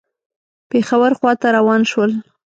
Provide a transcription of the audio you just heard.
پېښور خواته روان شول.